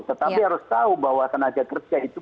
tetapi harus tahu bahwa tenaga kerja itu